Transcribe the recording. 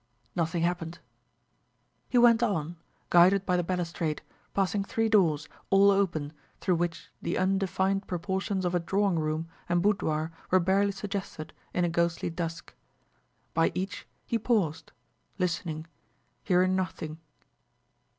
Nothing happened. He went on, guided by the balustrade, passing three doors, all open, through which the undefined proportions of a drawing room and boudoir were barely suggested in a ghostly dusk. By each he paused, listening, hearing nothing.